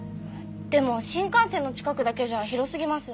でも新幹線の近くだけじゃ広すぎます。